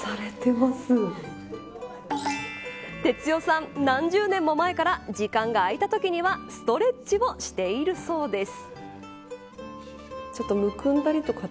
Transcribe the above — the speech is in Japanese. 哲代さん、何十年も前から時間が空いたときにはストレッチをしているそうです。